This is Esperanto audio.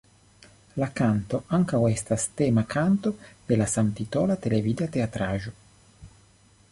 La kanto ankaŭ estas tema kanto de la samtitola televida teatraĵo.